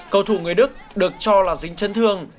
cầu thủ người đức được cho là dính chân thương